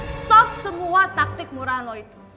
stop semua taktik murahan lo itu